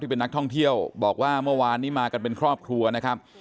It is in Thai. เป็นนักท่องเที่ยวบอกว่าเมื่อวานนี้มากันเป็นครอบครัวนะครับ